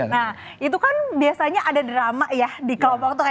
nah itu kan biasanya ada drama ya di kelompok itu